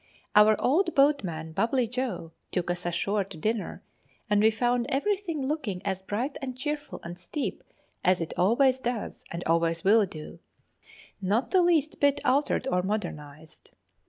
Our old boatman, Bubbly Joe, took us ashore to dinner, and we found everything looking as bright and cheerful and steep as it always does and always will do; not the least bit altered or modernised.